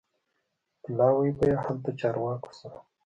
پلاوی به یې هلته چارواکو سره